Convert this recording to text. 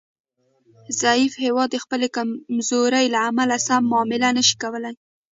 ضعیف هیواد د خپلې کمزورۍ له امله سمه معامله نشي کولای